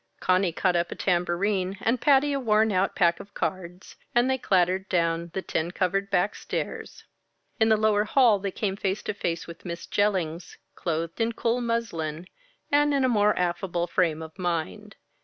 Conny caught up a tambourine and Patty a worn out pack of cards, and they clattered down the tin covered back stairs. In the lower hall they came face to face with Miss Jellings, clothed in cool muslin, and in a more affable frame of mind.